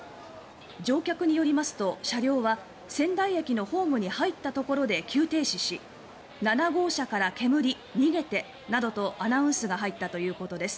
乗客によりますと車両は仙台駅ホームに入ったところで急停止し「７号車から煙、逃げて」などとアナウンスが入ったということです。